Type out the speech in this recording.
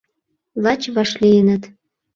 Лач вашлийыныт.